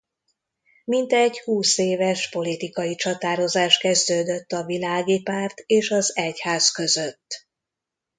Mintegy húszéves politikai csatározás kezdődött a világi párt és az egyház között.